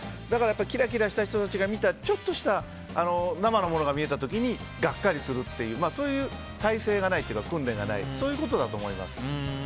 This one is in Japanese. キラキラした人たちから見た、ちょっとした生のものが見えた時にがっかりするという耐性がないというかそういうことだと思います。